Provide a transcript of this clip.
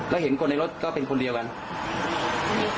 แล้วเห็นคนในรถก็เป็นคนเดียวกันคนเดียวกันแต่ตอนนั้นครับ